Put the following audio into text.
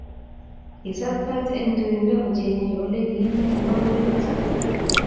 kisaptat eng tuindo kochengei olekiinde tamambulit